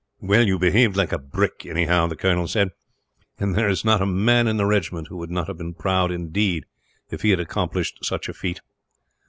"Well, you behaved like a brick, anyhow," the colonel said, "and there is not a man in the regiment who would not have been proud, indeed, if he had accomplished such a feat.